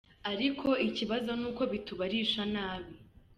Ariko ikibazo ni uko bitubarisha nabi.